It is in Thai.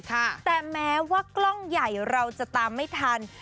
แต่แม้ว่ากล้องใหญ่เราจะตามไม่ทัน